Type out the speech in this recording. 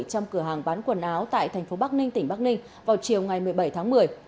trong cửa hàng bán quần áo tại thành phố bắc ninh tỉnh bắc ninh vào chiều ngày một mươi bảy tháng một mươi